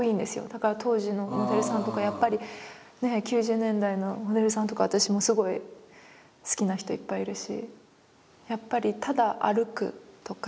だから当時のモデルさんとかやっぱり９０年代のモデルさんとか私もすごい好きな人いっぱいいるし。